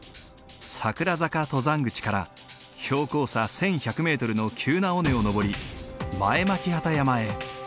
桜坂登山口から標高差１，１００メートルの急な尾根を登り前巻機山へ。